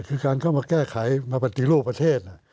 คือการเข้ามาแก้ไขมาปฏิรูปประเทศ